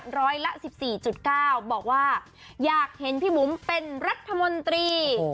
ร้อยละ๑๔๙บอกว่าอยากเห็นพี่บุ๋มเป็นรัฐมนตรี